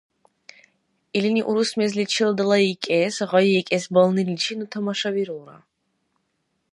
Илини урус мезличил далайикӀес, гъайикӀес балниличи ну тамашавирулра.